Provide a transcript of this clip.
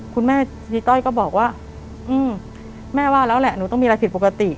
คุณยายต้อยก็บอกว่าแม่ว่าแล้วแหละหนูต้องมีอะไรผิดปกติ